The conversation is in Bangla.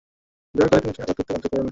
দয়া করে তোমাকে আঘাত করতে বাধ্য করোনা!